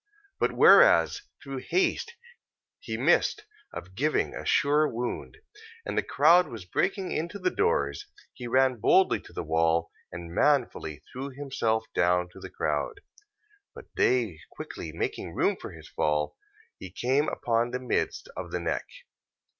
14:43. But whereas through haste he missed of giving a sure wound, and the crowd was breaking into the doors, he ran boldly to the wall, and manfully threw himself down to the crowd: 14:44. But they quickly making room for his fall, he came upon the midst of the neck.